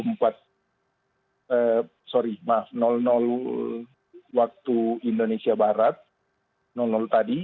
sorry maaf waktu indonesia barat tadi